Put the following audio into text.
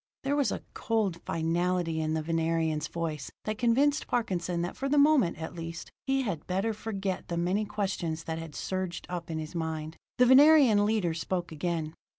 There was a cold finality in the Venerian's voice that convinced Parkinson that for the moment, at least, he had better forget the many questions that had surged up in his mind. The Venerian leader spoke again.